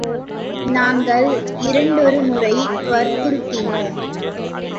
நாங்கள் இரண்டொரு முறை வற்புறுத்தினோம்.